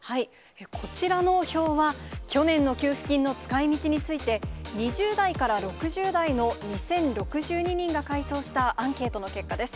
こちらの表は、去年の給付金の使い道について、２０代から６０代の２０６２人が回答したアンケートの結果です。